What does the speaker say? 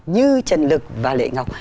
như trần lực và lệ ngọc